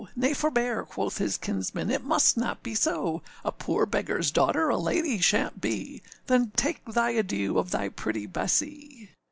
â âNay, forbear,â quoth his kinsman, âit must not be so: A poor beggarâs daughter a lady shanât be; Then take thy adieu of thy pretty Bessee.